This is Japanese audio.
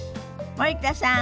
森田さん